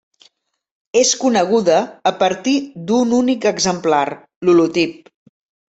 És coneguda a partir d'un únic exemplar, l'holotip.